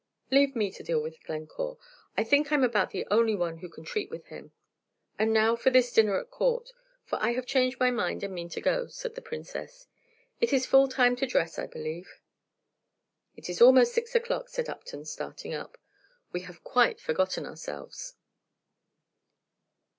"Leave me to deal with Glencore. I think I am about the only one who can treat with him." "And now for this dinner at Court, for I have changed my mind, and mean to go," said the Princess. "It is full time to dress, I believe." "It is almost six o'clock," said Upton, starting up. "We have quite forgotten ourselves."